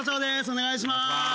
お願いします。